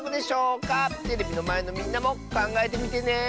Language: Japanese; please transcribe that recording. テレビのまえのみんなもかんがえてみてね。